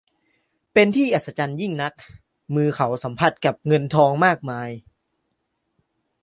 เป็นที่อัศจรรย์ยิ่งนัก มือเขาสัมผัสกับเงินทองมากมาย